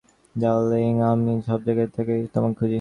Darling, আমি সবজায়গায় তোমাকে খুঁজেছি।